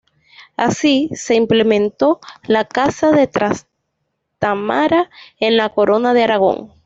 Así, se implantó la Casa de Trastámara en la Corona de Aragón.